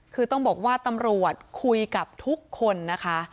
คือต้องบอกว่าตำรวจคุยกับทุกคนนะคะ